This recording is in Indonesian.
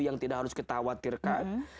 yang tidak harus kita khawatirkan